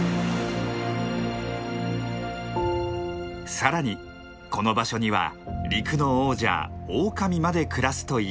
さらにこの場所には陸の王者オオカミまで暮らすといいます。